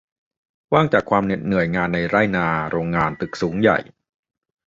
ว่างจากความเหน็ดเหนื่อยงานในไร่นา โรงงาน ตึกสูงใหญ่